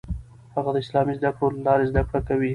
هغه د اسلامي زده کړو له لارې زده کړه کوي.